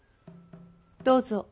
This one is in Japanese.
どうぞ。